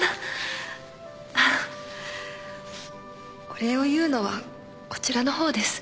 お礼を言うのはこちらの方です。